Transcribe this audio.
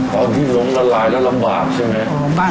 ตอนที่ล้มละลายแล้วลำบากใช่ไหม